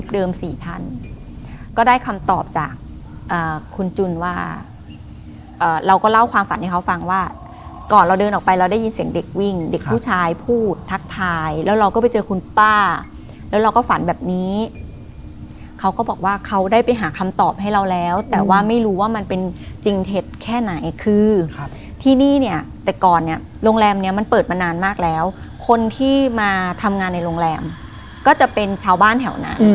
สี่ท่านก็ได้คำตอบจากคุณจุนว่าเราก็เล่าความฝันให้เขาฟังว่าก่อนเราเดินออกไปเราได้ยินเสียงเด็กวิ่งเด็กผู้ชายพูดทักทายแล้วเราก็ไปเจอคุณป้าแล้วเราก็ฝันแบบนี้เขาก็บอกว่าเขาได้ไปหาคำตอบให้เราแล้วแต่ว่าไม่รู้ว่ามันเป็นจริงเท็จแค่ไหนคือที่นี่เนี่ยแต่ก่อนเนี่ยโรงแรมเนี้ยมันเปิดมานานมากแล้วคนที่มาทำงานในโรงแรมก็จะเป็นชาวบ้านแถวนั้น